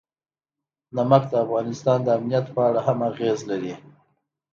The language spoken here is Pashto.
نمک د افغانستان د امنیت په اړه هم اغېز لري.